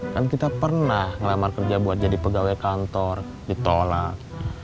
kan kita pernah ngelamar kerja buat jadi pegawai kantor ditolak